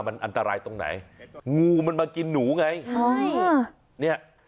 มันอันตรายตรงไหนงูมันมากินหนูไงใช่เนี่ย